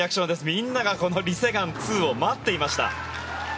みんながこのリ・セグァン２を待っていました。